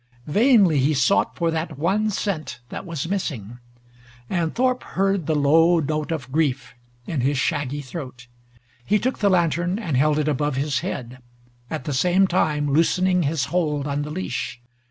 Vainly he sought for that one scent that was missing, and Thorpe heard the low note of grief in his shaggy throat. He took the lantern and held it above his head, at the same time loosening his hold on the leash.